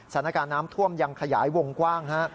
สถานการณ์น้ำท่วมยังขยายวงกว้างฮะ